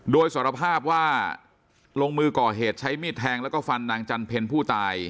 โดยสารภาพว่าลงมือก่อเหตุใช้มีดแทงแล้วก็ฟันนางจันเพลผู้ตาย